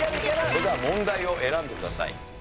それでは問題を選んでください。